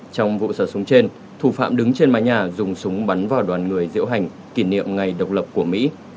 trong vụ xả súng trên thủ phạm đứng trên mái nhà dùng súng bắn vào đoàn người diễu hành kỷ niệm ngày độc lập của mỹ